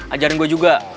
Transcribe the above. ajarin gue juga